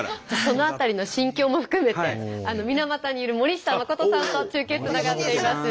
その辺りの心境も含めて水俣にいる森下誠さんと中継つながっています。